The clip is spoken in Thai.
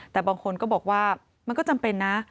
แต่บางคนก็บอกว่ามันก็จำเป็นนะ